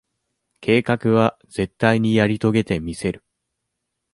計画は、絶対にやり遂げてみせる。